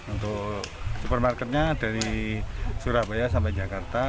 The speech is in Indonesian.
untuk supermarketnya dari surabaya sampai jakarta